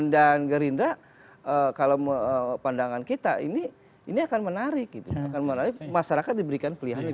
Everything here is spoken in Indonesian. dan gerindra kalau pandangan kita ini akan menarik masyarakat diberikan pilihan